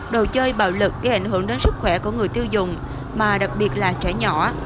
đồ chơi bạo lực gây ảnh hưởng đến sức khỏe của người tiêu dùng mà đặc biệt là trẻ nhỏ